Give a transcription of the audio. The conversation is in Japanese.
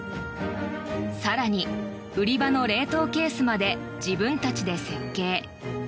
更に売り場の冷凍ケースまで自分たちで設計。